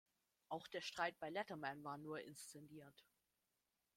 Auch der Streit bei Letterman war nur inszeniert.